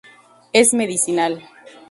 Es medicinal.